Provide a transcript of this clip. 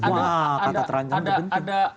wah kata terancam itu penting